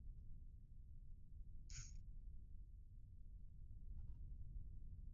اتخذ خياراً.